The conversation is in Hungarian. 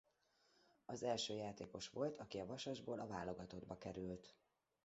Az első játékos volt aki a Vasasból a válogatottba került.